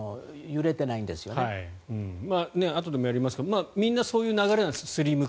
あとでもやりますがみんなそういう流れなんですよね